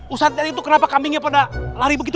ustadz itu kenapa kambingnya pada lari begitu